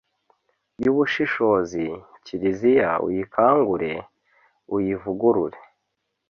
y'ubushishozi, kiliziya uyikangure, uyivugurure